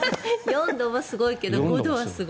４度もすごいけど５度はすごい。